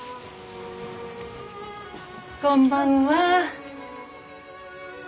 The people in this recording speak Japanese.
こんばんは。